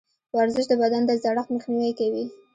ورزش د بدن د زړښت مخنیوی کوي.